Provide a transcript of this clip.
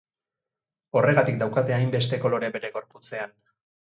Horregatik daukate hainbeste kolore bere gorputzean.